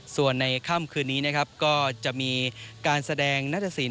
ส่วนในคำคืนนี้จะมีการแสดงนัฐศิลป์